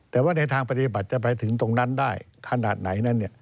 แต่ว่าในทางปฏิบัติจะไปถึงตรงนั้นได้ขนาดไหนนั้น